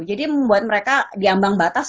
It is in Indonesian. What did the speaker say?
jadi membuat mereka diambang batas